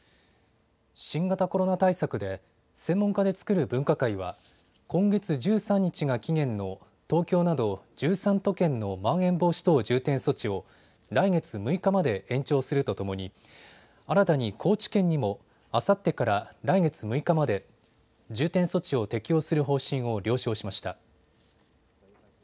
新型コロナ対策で専門家で作る分科会は今月１３日が期限の東京など１３都県のまん延防止等重点措置を来月６日まで延長するとともに新たに高知県にもあさってから来月６日まで重点措置を適用する方針を了承しました。